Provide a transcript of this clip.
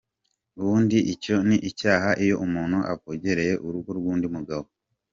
Ubundi icyo ni icyaha iyo umuntu avogereye urugo rw’undi mugabo.